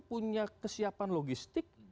punya kesiapan logistik